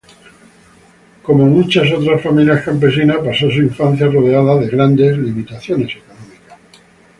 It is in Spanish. Como muchas otras familias campesinas, pasó su infancia rodeada de grandes limitaciones económicas.